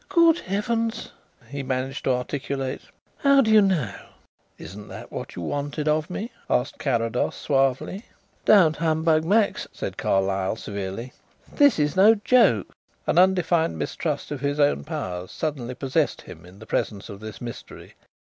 "Good heavens!" he managed to articulate, "how do you know?" "Isn't that what you wanted of me?" asked Carrados suavely. "Don't humbug, Max," said Carlyle severely. "This is no joke." An undefined mistrust of his own powers suddenly possessed him in the presence of this mystery.